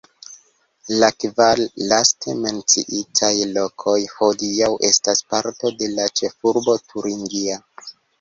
La kvar laste menciitaj lokoj hodiaŭ estas parto de la ĉefurbo turingia.